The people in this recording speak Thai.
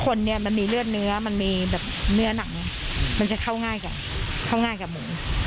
คนเนี่ยมันมีเลือดเนื้อมันมีเนื้อหนังมันจะเข้าง่ายกับหมู